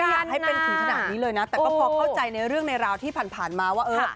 อยากให้เป็นถึงขนาดนี้เลยนะแต่ก็พอเข้าใจในเรื่องในราวที่ผ่านมาว่าเออ